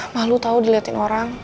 malu tau diliatin orang